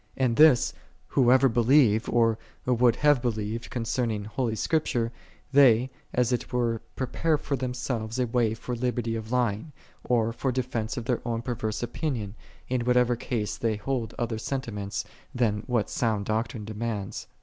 And this, whoso believe or would have believed con cerning holy Scripture, they, as it were, pre pare for themselves a way for liberty oklying, or for defense of their own perverse opinion, in whatever case they hold other sentiments than what sound doctrine demands.